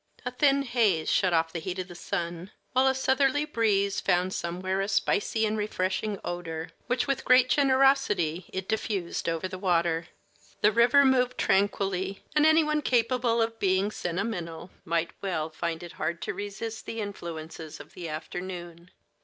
A thin haze shut off the heat of the sun, while a southerly breeze found somewhere a spicy and refreshing odor, which with great generosity it diffused over the water. The river moved tranquilly, and any one capable of being sentimental might well find it hard to resist the influences of the afternoon.